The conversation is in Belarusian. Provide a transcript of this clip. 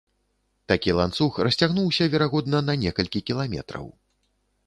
Такі ланцуг расцягнуўся, верагодна, на некалькі кіламетраў.